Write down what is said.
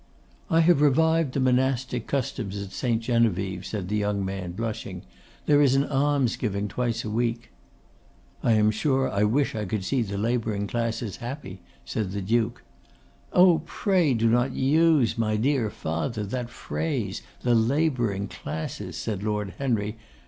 'I have revived the monastic customs at St. Genevieve,' said the young man, blushing. 'There is an almsgiving twice a week.' 'I am sure I wish I could see the labouring classes happy,' said the Duke. 'Oh! pray do not use, my dear father, that phrase, the labouring classes!' said Lord Henry.